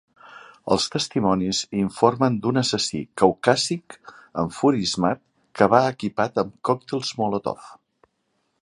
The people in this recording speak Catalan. Els testimonis informen d'un assassí caucàsic enfurismat que va equipat amb còctels Molotov.